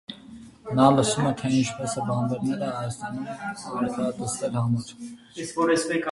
Նա լսում է, թե ինչպես են բանբերները հայտարարում արքայադստեր հրամանը։